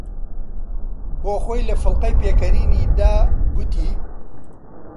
بۆ خۆی لە فڵقەی پێکەنینی دا، گوتی: